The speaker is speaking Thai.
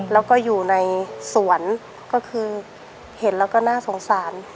แล้วก็อยู่ในสวนก็คือเห็นแล้วก็น่าสงสาร